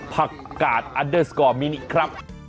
ผักกาดอันเดอร์สกอร์มินิครับ